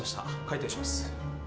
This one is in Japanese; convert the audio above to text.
開店します。